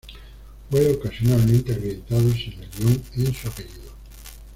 Fue ocasionalmente acreditado sin el guión en su apellido.